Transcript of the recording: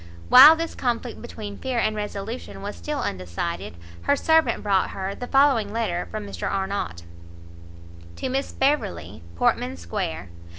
While this conflict between fear and resolution was still undecided, her servant brought her the following letter from Mr Arnott. To Miss Beverley, Portman square.